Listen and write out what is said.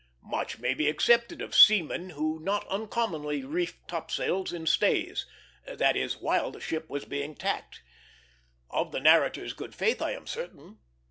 Much may be accepted of seamen who not uncommonly reefed topsails "in stays" that is, while the ship was being tacked. Of the narrator's good faith I am certain.